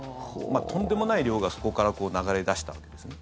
とんでもない量がそこから流れ出したわけですね。